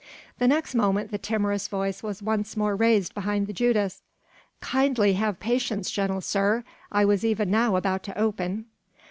The next moment the timorous voice was once more raised behind the judas: "Kindly have patience, gentle sir. I was even now about to open."